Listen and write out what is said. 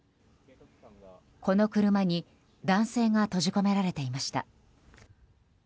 この車に男性が閉じ込められていました。